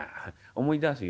思い出すよ